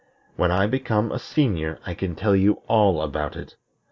When I become a senior I can tell you all about it.